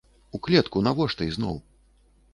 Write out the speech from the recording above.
У клетку навошта ізноў?